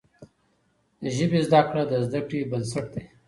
د ژبي زده کړه د زده کړې بنسټ دی.